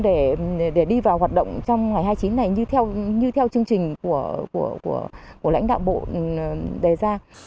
để đi vào hoạt động trong ngày hai mươi chín này như theo chương trình của lãnh đạo bộ đề ra